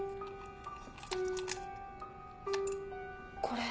これ。